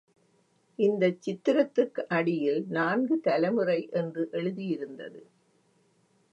இந்தச் சித்திரத்துக்கு அடியில் நான்கு தலைமுறை என்று எழுதியிருந்தது.